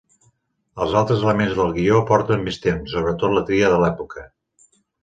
Els altres elements del guió porten més temps, sobretot la tria de l'època.